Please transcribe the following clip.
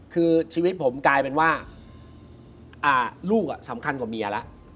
คือชีวิตผมกลายเป็นว่าลูกสำคัญกว่าเมียแล้ว